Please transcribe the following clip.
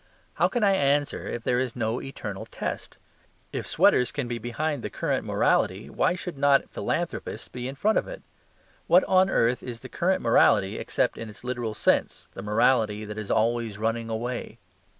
How can I answer if there is no eternal test? If sweaters can be behind the current morality, why should not philanthropists be in front of it? What on earth is the current morality, except in its literal sense the morality that is always running away?